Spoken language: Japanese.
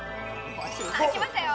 あっきましたよ